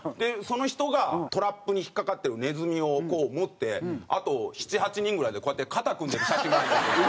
その人がトラップに引っ掛かってるネズミを持ってあと７８人ぐらいでこうやって肩組んでる写真があるんです。